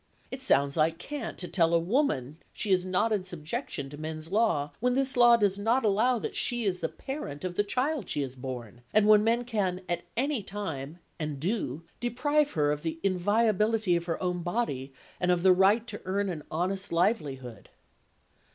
It sounds like cant to tell a woman she is not in subjection to men's law when this law does not allow that she is the parent of the child she has borne, and when men can at any time, and do, deprive her of the inviolability of her own body and of the right to earn an honest livelihood.